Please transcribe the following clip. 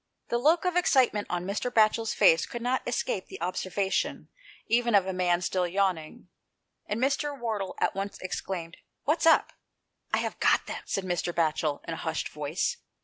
The look of exciteiaent on Mr. Batchel's face could not escape the obser vation even of a man still yawning, and Mr. Wardle at once exclaimed " What's up ?" "I have got them," said Mr. Batchel, in a hushed voice.